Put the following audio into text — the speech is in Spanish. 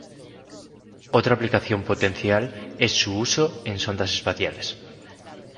Otra aplicación potencial es su uso en sondas espaciales.